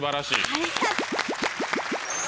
ありがとう。